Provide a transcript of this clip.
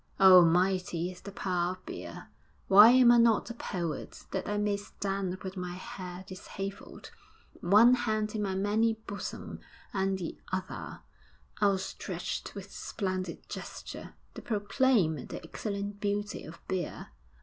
Oh, mighty is the power of beer! Why am I not a poet, that I may stand with my hair dishevelled, one hand in my manly bosom and the other outstretched with splendid gesture, to proclaim the excellent beauty of beer?